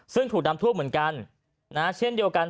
ซึ่งถูกน้ำท่วมเหมือนกันเช่นเดียวกัน